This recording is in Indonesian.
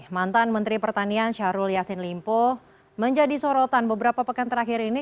mantan menteri pertanian syahrul yassin limpo menjadi sorotan beberapa pekan terakhir ini